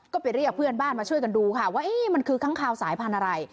ก็ไปเรียกเพื่อนบ้านมาช่วยกันดูค่ะว่ามันคือค้างคาวสายพันธุ์อะไร